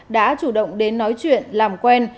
đã chủ động đến nói chuyện làm quen